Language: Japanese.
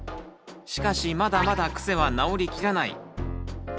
しかしまだまだクセは直りきらない。